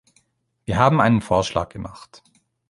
Wir haben einen Vorschlag gemacht.